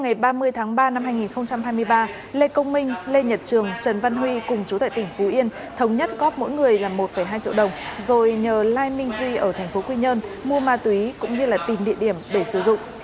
ngày ba mươi tháng ba năm hai nghìn hai mươi ba lê công minh lê nhật trường trần văn huy cùng chú tại tỉnh phú yên thống nhất góp mỗi người là một hai triệu đồng rồi nhờ lai minh duy ở thành phố quy nhơn mua ma túy cũng như tìm địa điểm để sử dụng